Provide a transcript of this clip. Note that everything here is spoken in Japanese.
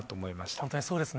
本当にそうですね。